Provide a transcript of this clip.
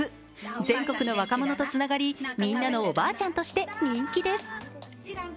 全国の若者とつながり、みんなのおばあちゃんとして人気です。